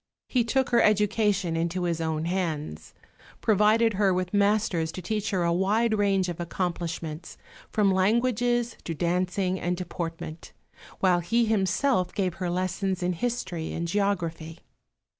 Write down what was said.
He took her education into his own hands, provided her with masters to teach her a wide range of accomplishments, from languages to dancing and deportment, while he himself gave her lessons in history and geography.